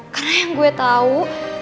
karena yang gue tau